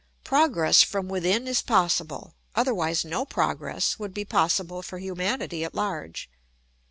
Progress from within is possible, otherwise no progress would be possible for humanity at large.